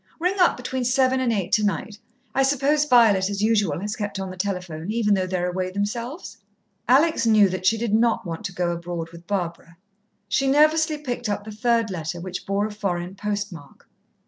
Ring up between seven and eight tonight. I suppose Violet, as usual, has kept on the telephone, even though they're away themselves?" Alex knew that she did not want to go abroad with Barbara. She nervously picked up her third letter, which bore a foreign post mark.